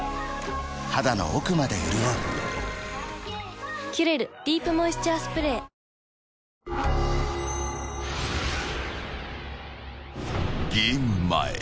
肌の奥まで潤う「キュレルディープモイスチャースプレー」［ゲーム前。